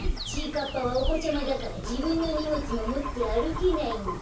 かっぱはおこちゃまだからじぶんのにもつももってあるけないんだ。